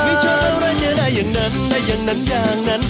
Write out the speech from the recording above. ไม่ใช่อะไรจะได้อย่างนั้นได้อย่างนั้นอย่างนั้น